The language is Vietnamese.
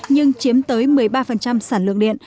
nhưng chiếm tới một mươi ba sản lượng điện